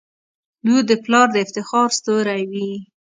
• لور د پلار د افتخار ستوری وي.